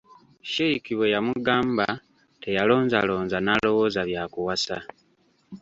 Sheikh bwe yamugamba, teyalonzalonza, n'alowooza bya kuwasa.